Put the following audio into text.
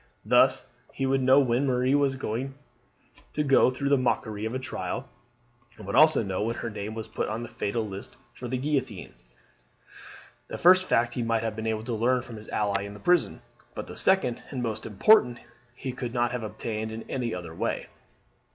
Thus he would know when Marie was to go through the mockery of a trial, and would also know when her name was put on the fatal list for the guillotine. The first fact he might have been able to learn from his ally in the prison, but the second and most important he could not have obtained in any other way.